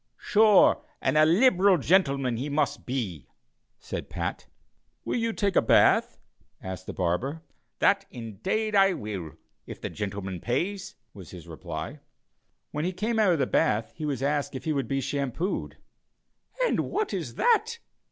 "Sure and a liberal gintleman he must be," said Pat. "Will you take a bath?" asked the barber. "That indade I will, if the gintleman pays," was the reply. When he came out of the bath he was asked if he would be shampooed. "And what is that?"